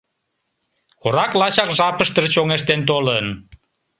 Корак лачак жапыштыже чоҥештен толын.